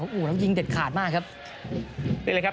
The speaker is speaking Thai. โอ้โหแล้วยิงเด็ดขาดมากครับ